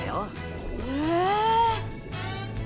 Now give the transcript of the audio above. へえ。